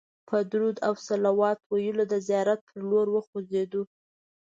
په درود او صلوات ویلو د زیارت پر لور وخوځېدو.